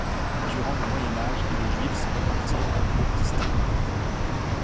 Durant le Moyen Âge, les Juifs se répartirent en groupes distincts.